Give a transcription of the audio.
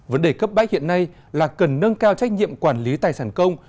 vấn đề cấp bách hiện nay là cần nâng cao trách nhiệm quản lý tài sản công